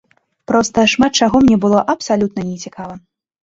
Проста шмат чаго мне было абсалютна не цікава.